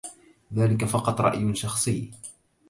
ذلك فقط رأيٌ شخصي.